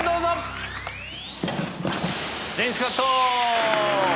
どうぞ。